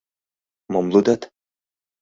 Мом лудат?